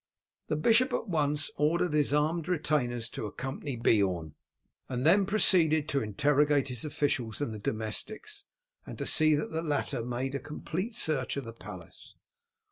The bishop at once ordered his armed retainers to accompany Beorn, and then proceeded to interrogate his officials and the domestics, and to see that the latter made a complete search of the palace.